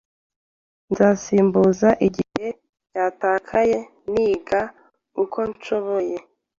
Nzasimbuza igihe cyatakaye niga uko nshoboye